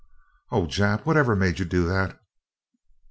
"Oh, Jap! Whatever made you do that?"